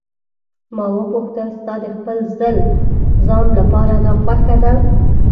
ما وپوښتل: ستا د خپل ځان لپاره دا خوښه ده.